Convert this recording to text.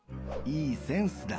「いいセンスだ」